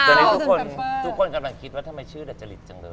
ตอนนี้ทุกคนกำลังคิดว่าทำไมชื่อดัตเจริฝ์จังเลย